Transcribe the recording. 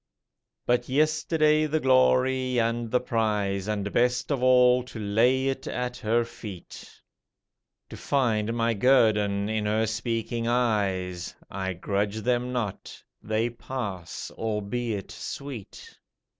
But yesterday the glory and the prize, And best of all, to lay it at her feet, To find my guerdon in her speaking eyes: I grudge them not, they pass, albeit sweet.